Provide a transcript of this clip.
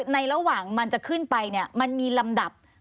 ในระหว่างมันจะขึ้นไปเนี่ยมันมีลำดับ